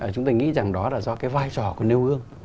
chúng tôi nghĩ rằng đó là do cái vai trò của nêu gương